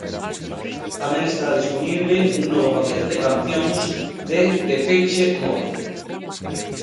Tamén estará dispoñible un novo paquete de cancións de Depeche Mode: